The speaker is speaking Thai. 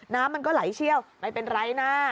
น้ำมันก็ไหลเชี่ยวไม่เป็นไรนะ